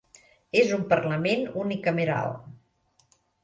És un parlament unicameral.